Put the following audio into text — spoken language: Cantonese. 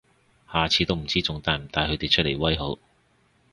下次都唔知仲帶唔帶佢哋出嚟威好